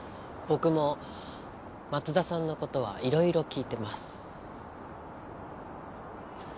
僕も松田さんのことはいろいろ聞いてます。